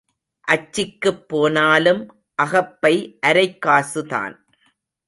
அச்சிக்குப் போனாலும் அகப்பை அரைக்காசுதான்.